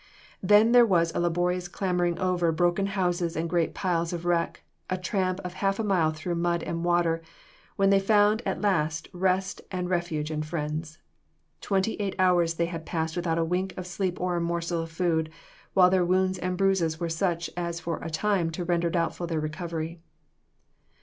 Then there was a laborious clambering over broken houses and great piles of wreck, a tramp of half a mile through mud and water, when they found at last rest and refuge and friends. Twenty eight hours they [Illustration: DESPERATE STRUGGLE FOR LIFE, JOHNSTOWN.] had passed without a wink of sleep or a morsel of food, while their wounds and bruises were such as for a time to render doubtful their recovery.